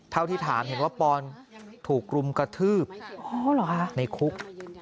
เท่าที่ถามเห็นว่าปอนถูกรุมกระทืบในคุก